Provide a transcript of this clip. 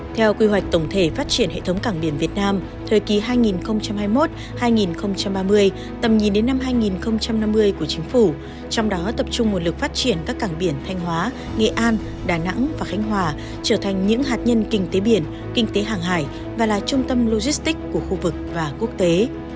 theo quy hoạch tổng thể phát triển hệ thống cảng biển việt nam thời kỳ hai nghìn hai mươi một hai nghìn ba mươi tầm nhìn đến năm hai nghìn năm mươi của chính phủ trong đó tập trung nguồn lực phát triển các cảng biển thanh hóa nghệ an đà nẵng và khánh hòa trở thành những hạt nhân kinh tế biển kinh tế hàng hải và là trung tâm logistics của khu vực và quốc tế